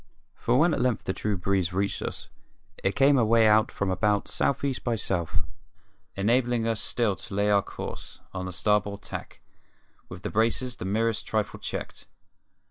When at length the true breeze reached us it came away out from about South East by South, enabling us still to lay our course, on the starboard tack, with the braces the merest trifle checked.